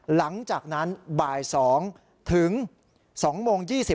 หลังจากนั้นบ่าย๒ถึง๒โมง๒๐